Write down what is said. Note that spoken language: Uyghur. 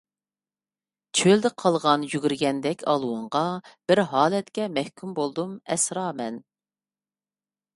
چۆلدە قالغان يۈگۈرگەندەك ئالۋۇنغا، بىر ھالەتكە مەھكۇم بولدۇم، ئەسرامەن.